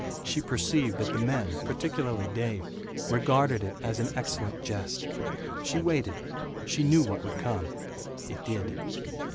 She perceived that the men, particularly Dave, regarded it as an excellent jest. She waited she knew what would come it did.